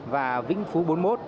và vĩnh phú bốn mươi một